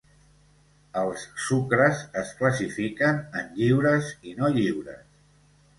Els sucres es classifiquen en lliures i no lliures.